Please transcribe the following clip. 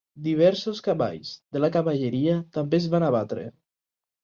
Diversos cavalls de la Cavalleria també es van abatre.